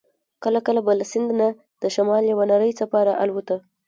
کله کله به له سیند نه د شمال یوه نرۍ څپه را الوته.